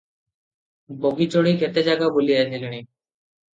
Bogie ଚଢ଼ି କେତେ ଜାଗା ବୁଲି ଆସିଲେଣି ।